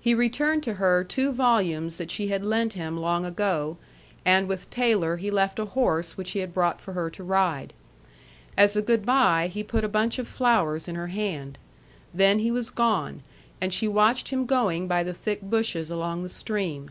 He returned to her two volumes that she had lent him long ago and with Taylor he left a horse which he had brought for her to ride. As a good by, he put a bunch of flowers in her hand. Then he was gone, and she watched him going by the thick bushes along the stream.